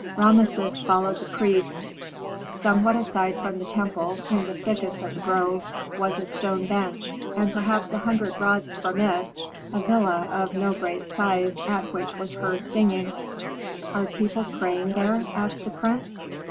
Rameses followed the priest. Somewhat aside from the temple, in the thickest of the grove, was a stone bench, and perhaps a hundred rods from it a villa of no great size at which was heard singing. "Are people praying there?" asked the prince.